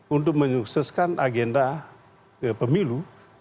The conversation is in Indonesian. untuk menyukseskan agenda pemilu dua ribu dua puluh empat